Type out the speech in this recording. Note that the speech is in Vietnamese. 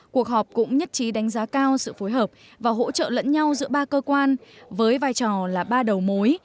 cuộc họp cũng nhất trí đánh giá cao sự phối hợp và hỗ trợ lẫn nhau giữa ba cơ quan với vai trò là ba đầu mối